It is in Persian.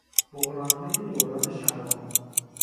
بحرانهای دوران شباب